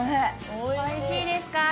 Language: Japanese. おいしいです！